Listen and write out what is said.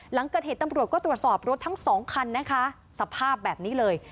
หลังเกิดเหตุตำรวจก็ตรวจสอบรถทั้งสองคันนะคะสภาพแบบนี้เลย